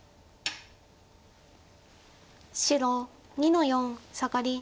白２の四サガリ。